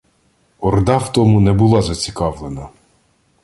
Орда в тому не була зацікавлена